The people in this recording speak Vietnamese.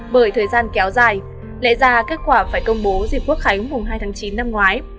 bởi thời gian kéo dài lẽ ra kết quả phải công bố dịp quốc khánh mùng hai tháng chín năm ngoái